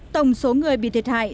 tổng số người bị thiệt hại